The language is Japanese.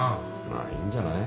まあいいんじゃない？